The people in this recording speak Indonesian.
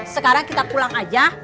sekarang kita pulang aja